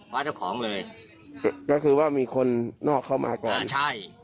ว่าเจ้าของเลยก็คือว่ามีคนนอกเข้ามาก่อนใช่